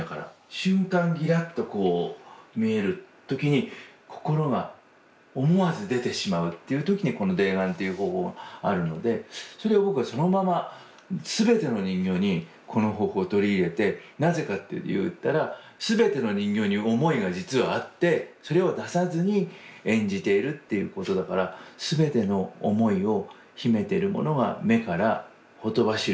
瞬間ギラッとこう見える時に心が思わず出てしまうっていう時にこの泥眼っていう方法があるのでそれを僕はそのまま全ての人形にこの方法を取り入れてなぜかっていったら全ての人形に想いが実はあってそれを出さずに演じているっていうことだから全ての想いを秘めてるものが眼からほとばしるようにっていうことで。